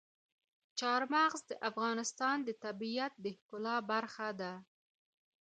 چار مغز د افغانستان د طبیعت د ښکلا برخه ده.